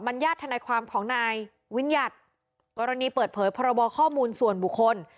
ัญญาทนายความของนายวิญญัติกรณีเปิดเผยพรบข้อมูลส่วนบุคคล